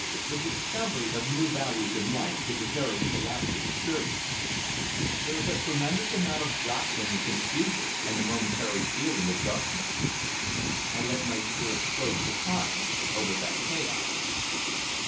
The discovery of new values in life is a very chaotic experience; there is a tremendous amount of jostling and confusion and a momentary feeling of darkness. I let my spirit float supine over that chaos.